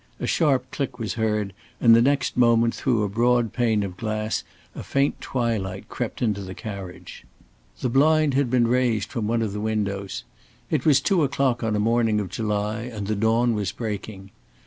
A sharp click was heard, and the next moment through a broad pane of glass a faint twilight crept into the carriage. The blind had been raised from one of the windows. It was two o'clock on a morning of July and the dawn was breaking.